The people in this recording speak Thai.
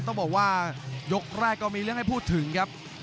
ต้องบอกว่ายกแรกก็มีเรื่องให้พูดถึงครับ